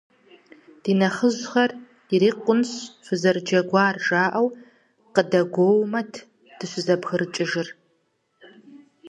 Ди нэхъыжьхэм, ирикъунщ фызэрыджэгуар, жаӀэу къыдэгуоумэт дыщызэбгрыкӀыжыр.